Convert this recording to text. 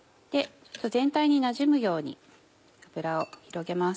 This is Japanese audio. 全体になじむように油を広げます。